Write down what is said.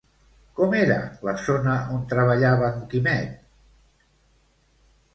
Com era la zona on treballava en Quimet?